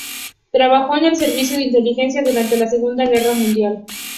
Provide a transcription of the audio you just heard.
Trabajó en el Servicio de Inteligencia durante la Segunda Guerra Mundial.